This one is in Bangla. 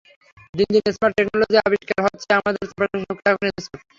দিন দিন স্মার্ট টেকনোলজি আবিষ্কার হচ্ছে, আমাদের চারপাশের সবকিছুই এখন স্মার্ট।